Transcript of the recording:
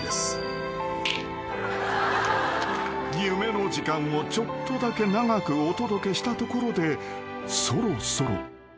［夢の時間をちょっとだけ長くお届けしたところでそろそろ］